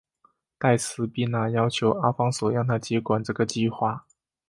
黛丝碧娜要求阿方索让她接管这个计画。